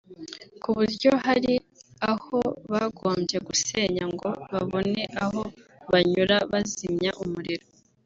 ku buryo hari aho bagombye gusenya ngo babone aho banyura bazimya umuriro